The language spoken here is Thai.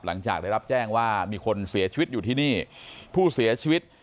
หลังจากได้รับแจ้งว่ามีคนเสียชีวิตอยู่ที่นี่ผู้เสียชีวิต